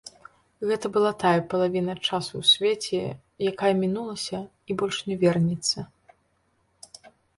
Гэта была тая палавіна часу ў свеце, якая мінулася і больш не вернецца.